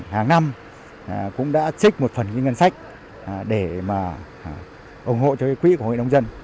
hàng năm cũng đã xích một phần ngân sách để ủng hộ cho quỹ của hội đồng dân